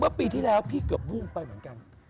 ปีที่แล้วพี่เกือบวูบไปเหมือนกัน